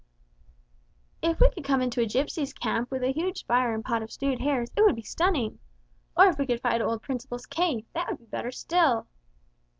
"If we could come into a gipsies' camp with a huge fire and a pot of stewed hares, it would be stunning! Or if we could find old Principle's cave, that would be better still!"